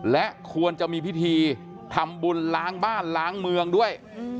และควรจะมีพิธีทำบุญล้างบ้านล้างเมืองด้วย